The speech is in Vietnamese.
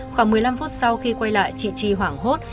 khoảng một mươi năm phút sau khi quay lại chị chi hoảng hốt